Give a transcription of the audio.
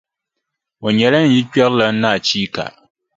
O nyɛla n yilikpɛrilana ni achiika.